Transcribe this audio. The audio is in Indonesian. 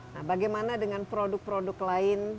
nah bagaimana dengan produk produk lain